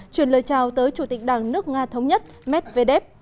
chuyển lời chào tới chủ tịch đảng nước nga thống nhất medvedev